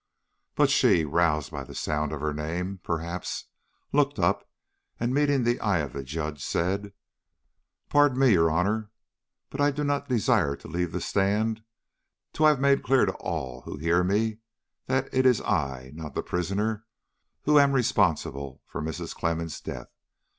But she, roused by the sound of her name perhaps, looked up, and meeting the eye of the Judge, said: "Pardon me, your Honor, but I do not desire to leave the stand till I have made clear to all who hear me that it is I, not the prisoner, who am responsible for Mrs. Clemmens' death.